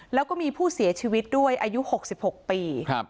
แล้วก็มีผู้เสียชีวิตด้วยอายุ๖๖ปี